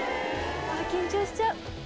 ああ緊張しちゃう。